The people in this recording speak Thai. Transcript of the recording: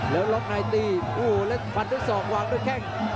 แล้วล็อคนายตีโอ้โหแล้วฟันทุกสองวางทุกแข้ง